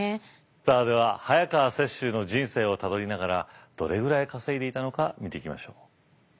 さあでは早川雪洲の人生をたどりながらどれぐらい稼いでいたのか見ていきましょう。